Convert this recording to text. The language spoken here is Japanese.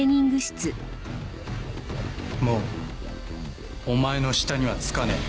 もうお前の下にはつかねえ。